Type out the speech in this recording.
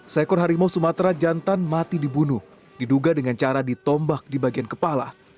seekor harimau sumatera jantan mati dibunuh diduga dengan cara ditombak di bagian kepala